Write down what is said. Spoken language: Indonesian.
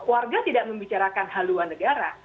warga tidak membicarakan haluan negara